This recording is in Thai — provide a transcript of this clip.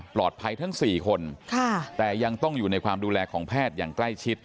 ปลอดภัยทั้งสี่คนค่ะแต่ยังต้องอยู่ในความดูแลของแพทย์อย่างใกล้ชิด